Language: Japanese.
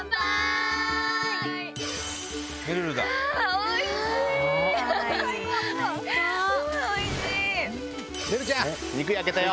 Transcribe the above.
おいしい！